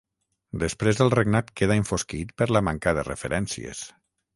Després el regnat queda enfosquit per la manca de referències.